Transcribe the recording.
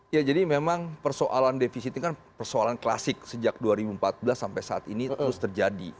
ya jadi memang persoalan defisit ini kan persoalan klasik sejak dua ribu empat belas sampai saat ini terus terjadi